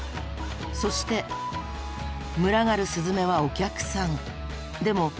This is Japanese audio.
そして群がるスズメはお客さん。